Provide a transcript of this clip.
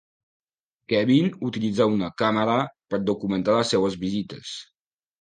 Kevin utilitza una càmera per documentar les seves visites.